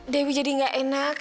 dewi jadi gak enak